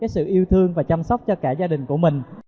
sự yêu thương và chăm sóc cho cả gia đình của mình